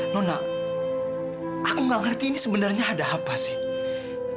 nona aku gak ngerti ini sebenarnya ada apa sih